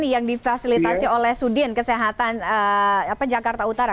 yang difasilitasi oleh sudin kesehatan jakarta utara